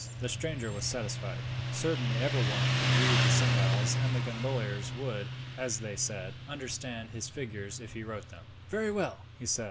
The stranger was satisfied. Certainly every one could read the sundials; and the gondoliers would, as they said, understand his figures if he wrote them. "Very well," he said.